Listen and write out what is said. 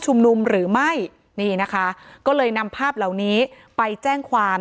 หรือไม่นี่นะคะก็เลยนำภาพเหล่านี้ไปแจ้งความ